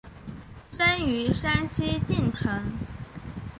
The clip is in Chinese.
生于山西晋城。